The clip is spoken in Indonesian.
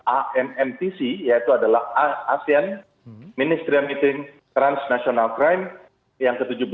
amntc yaitu adalah asean ministry of international crime yang ke tujuh belas